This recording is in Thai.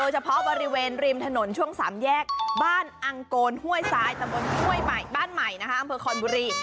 ทรีมถนนช่วง๓แยกบ้านอังโกนห้วยซ้ายตรงบนห้วยบ้านใหม่บ้านใหม่นะคะอำเภอคอนบุรี